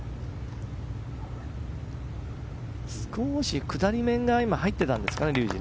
少し下り面が入ってたんですかね。